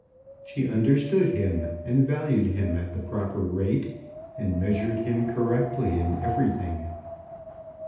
She understood him, and valued him at the proper rate, and measured him correctly in everything.